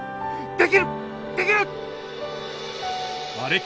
できる！